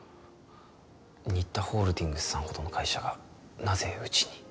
新田ホールディングスさんほどの会社がなぜうちに？